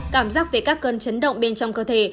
cảm giác về các cơn chấn động bên trong cơ thể